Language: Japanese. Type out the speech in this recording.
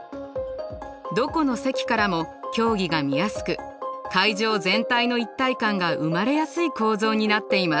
どこの席からも競技が見やすく会場全体の一体感が生まれやすい構造になっています。